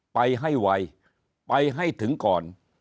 ไปให้ไวไปให้ถึงก่อน